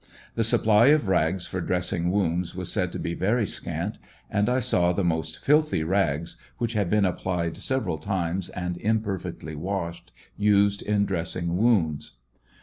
The supply j^of rags for dressing wounds was said to be very scant, and I saw the most filthy rags which had been applied several times and imperfectly washed, used in dressing wounds.